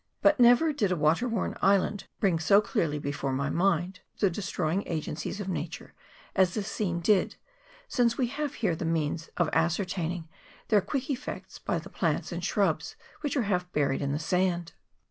But ne ver did a water worn island bring so clearly before my mind the destroying agencies of Nature as this scene did, since we have here the means of ascer taining their quick effects by the plants and shrubs which are half buried in the sand.